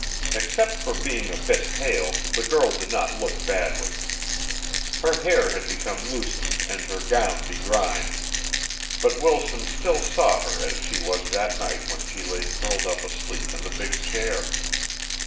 Except for being a bit pale, the girl did not look badly. Her hair had become loosened and her gown begrimed, but Wilson still saw her as she was that night when she lay curled up asleep in the big chair.